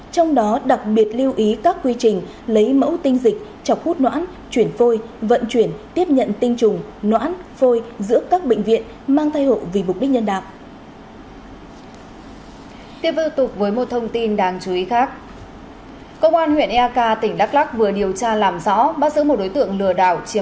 trong đó đặc biệt lưu ý các quy trình lấy mẫu tinh dịch chọc hút noãn chuyển phôi vận chuyển tiếp nhận tinh trùng noãn phôi giữa các bệnh viện mang thai hộ vì mục đích nhân đạo